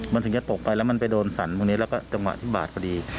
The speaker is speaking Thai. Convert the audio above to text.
มันถึงจะตกไปแล้วมันไปโดนสันตรงนี้แล้วก็จังหวะที่บาดพอดี